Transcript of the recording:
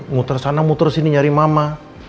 muter sana muter sini nyari mama